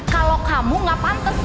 kalau kamu gak pantas